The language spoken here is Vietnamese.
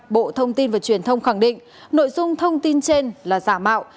bộ thông tin và truyền thông khẳng định nội dung thông tin trên là giả mạo